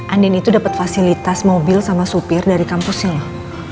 andin itu dapat fasilitas mobil sama supir dari kampusnya loh